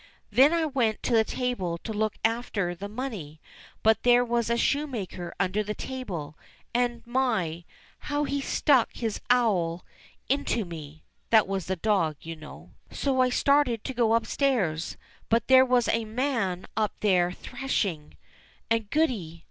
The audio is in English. "Then I went to the table to look after the money, but there was a shoemaker under the table, and my ! how he stuck his awl into me." {That was the dog, you know.) "So I started to go upstairs, but there was a man up there threshing, and goody